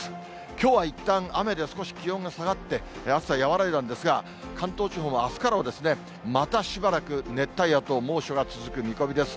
きょうはいったん、雨で少し気温が下がって、暑さ和らいだんですが、関東地方もあすからは、またしばらく熱帯夜と猛暑が続く見込みです。